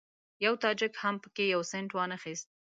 یوه تاجک هم په کې یو سینټ وانخیست.